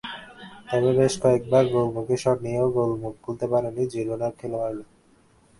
তবে বেশ কয়েকবার গোলমুখে শট নিয়েও গোলমুখ খুলতে পারেনি জিরোনার খেলোয়াড়েরা।